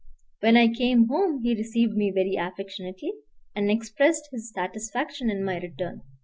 When I came home he received me very affectionately, and expressed his satisfaction in my return.